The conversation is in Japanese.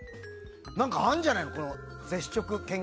何か、あるんじゃないのかな。